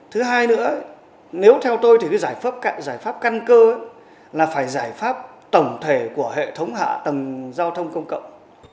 thứ hai nữa nếu theo tôi thì giải pháp căn cơ là phải giải pháp tổng thể của hệ thống hạ tầng giao thông công cộng